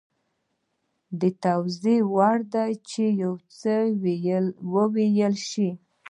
د توضیح وړ ده چې یو څه وویل شي